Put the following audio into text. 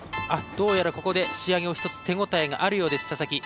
どうやらここで仕上げを一つ手応えがあるようです佐々木。